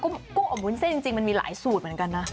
กุ้งอบวุ้นเส้นจริงมันมีหลายสูตรเหมือนกันนะ